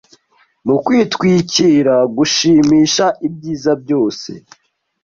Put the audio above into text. mu kwitwikira gushimisha ibyiza byose